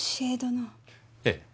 ええ。